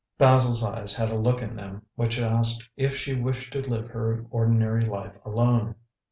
Basil's eyes had a look in them which asked if she wished to live her ordinary life alone.